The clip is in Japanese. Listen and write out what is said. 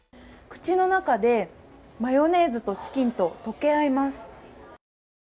口の中でマヨネーズとチキンと溶け合います。